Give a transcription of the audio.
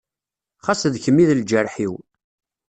Xas d kem i d lǧerḥ-iw.